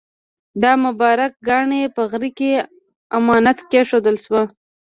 دا مبارک کاڼی په غره کې امانت کېښودل شو.